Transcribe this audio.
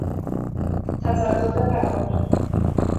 تزلزل روانی